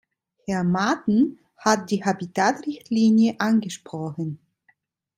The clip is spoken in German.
Herr Maaten hat die Habitat-Richtlinie angesprochen.